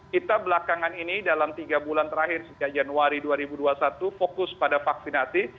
kita belakangan ini dalam tiga bulan terakhir sejak januari dua ribu dua puluh satu fokus pada vaksinasi